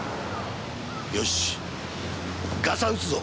よしガサ打つぞ。